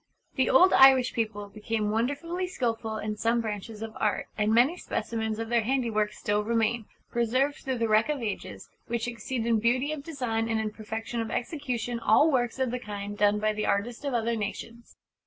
The old Irish people became wonderfully skilful in some branches of Art; and many specimens of their handiwork still remain preserved through the wreck of ages which exceed in beauty of design and in perfection of execution all works of the kind done by the artists of other nations.